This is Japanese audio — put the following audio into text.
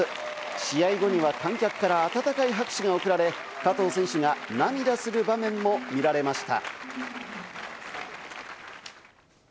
試合後には観客から温かい拍手が送られ、加藤選手が涙する場面も見られました。